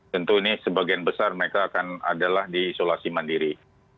tentu ini sebagian besar mereka akan adalah di isolasi mandiri